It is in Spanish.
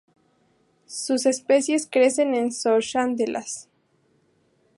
Sus especies carecen de zooxantelas.